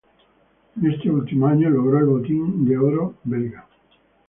En ese último año logró el Botín de Oro belga.